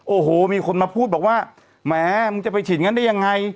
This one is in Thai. โอ้โหมีคนมาพูดบอกว่าแหมมึงจะไปฉีดงั้นได้ยังไง